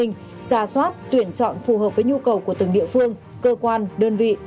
giả soát tuyển chọn phù hợp với nhu cầu của từng địa phương cơ quan đơn vị